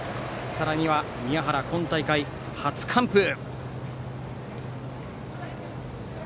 さらには宮原、今大会初完封。